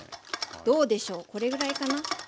どうでしょうこれぐらいかな。